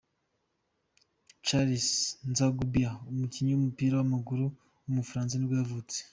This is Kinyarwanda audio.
Charles N'Zogbia, umukinnyi w’umupira w’amaguru w’umufaransa nibwo yavutse.